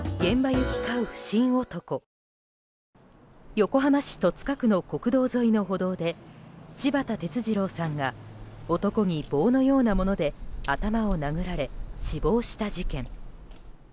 横浜市戸塚区の国道沿いの歩道で柴田哲二郎さんが男に棒のようなもので頭を殴られ、死亡した事件。